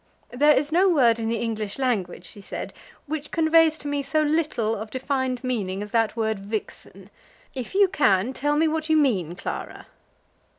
"There is no word in the English language," she said, "which conveys to me so little of defined meaning as that word vixen. If you can, tell me what you mean, Clara."